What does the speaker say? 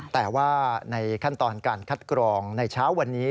แต่ว่าในขั้นตอนการคัดกรองในเช้าวันนี้